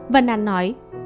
vân an nói